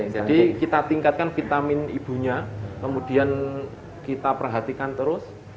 jadi kita tingkatkan vitamin ibunya kemudian kita perhatikan terus